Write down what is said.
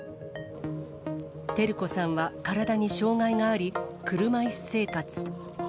照子さんは体に障がいがあり、車いす生活。